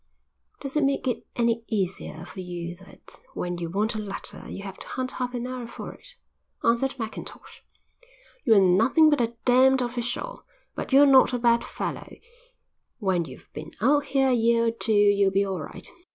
"Does it make it any easier for you that when you want a letter you have to hunt half an hour for it?" answered Mackintosh. "You're nothing but a damned official. But you're not a bad fellow; when you've been out here a year or two you'll be all right.